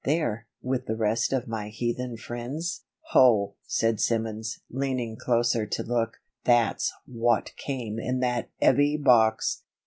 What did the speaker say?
"There, with the rest of my heathen friends." "Ho," said Simmons, leaning closer to look. "That's wot came in that 'eavy box.